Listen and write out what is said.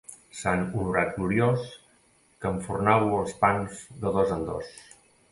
Sant Honorat gloriós, que enfornàveu els pans de dos en dos.